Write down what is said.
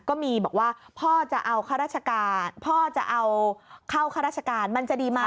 ก็บอกว่าพ่อจะเอาข้าราชการพ่อจะเอาเข้าข้าราชการมันจะดีมา